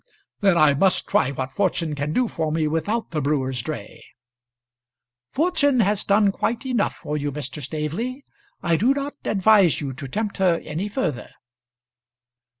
"Then I must try what fortune can do for me without the brewer's dray." "Fortune has done quite enough for you, Mr. Staveley; I do not advise you to tempt her any further."